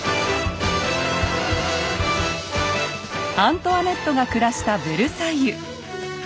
アントワネットが暮らしたヴェルサイユ。